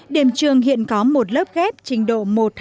điểm trường hiện có một lớp ghép trình độ một hai